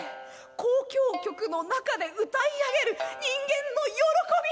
交響曲の中で歌い上げる人間の喜び！